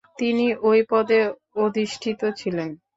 তিনি ঐ পদে অধিষ্ঠিত ছিলেন।